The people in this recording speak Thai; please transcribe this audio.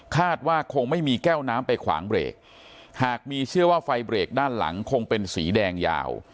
ว่าคงไม่มีแก้วน้ำไปขวางเบรกหากมีเชื่อว่าไฟเบรกด้านหลังคงเป็นสีแดงยาว